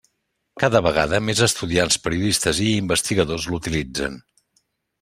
Cada vegada més, estudiants, periodistes i investigadors l'utilitzen.